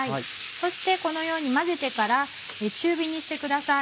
そしてこのように混ぜてから中火にしてください。